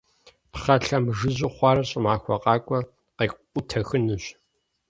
Пхъэ лъэмыжыжьу хъуар, щӏымахуэ къакӏуэ къекъутэхынущ.